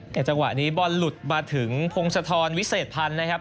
แต่จังหวะนี้บอลหลุดมาถึงพงศธรวิเศษพันธ์นะครับ